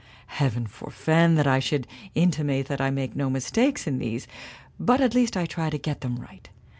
Heaven forefend that I should intimate that I make no mistakes in these, but at least I try to get them right.